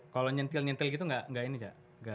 kalau nyentil nyentil gitu nggak ini cak